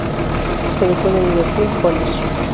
Se educó en el Liverpool College.